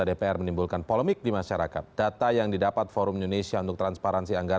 sabaran pengobotbahwaojil sifat ke coimbatan tempatan kekuasaan pember seribu sembilan ratus tujuh belas